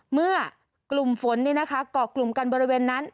เมื่อกลุ่มฝนเกาะกลุ่มกันบริเวณนั้น